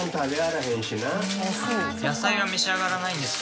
野菜は召し上がらないんですか？